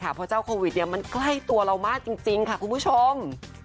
เพราะเจ้าโควิดมันใกล้ตัวเรามากจริงค่ะคุณผู้ชม